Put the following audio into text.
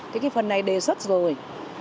thế cái phần này đề xuất rồi